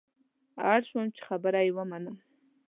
اړ شوم چې خبره یې ومنم.